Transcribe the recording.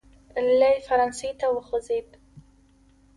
لی فرانسې ته وخوځېد.